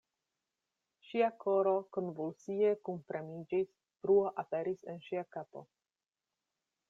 Ŝia koro konvulsie kunpremiĝis, bruo aperis en ŝia kapo.